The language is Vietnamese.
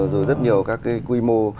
rồi rất nhiều các cái quy mô